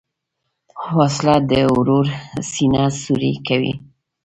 وسله د ورور سینه سوری کوي